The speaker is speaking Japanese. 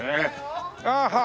ああはあ。